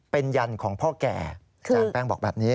เป็นยันของพ่อแก่อาจารย์แป้งบอกแบบนี้